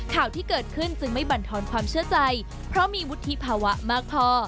ข่าวที่เกิดขึ้นจึงไม่บรรทอนความเชื่อใจเพราะมีวุฒิภาวะมากพอ